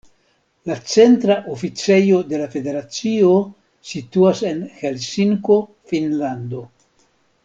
La centra oficejo de la federacio situas en Helsinko, Finnlando.